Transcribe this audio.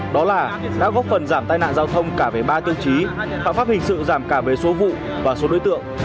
đó là đã góp phần giảm tai nạn giao thông cả về ba tiêu chí phạm pháp hình sự giảm cả về số vụ và số đối tượng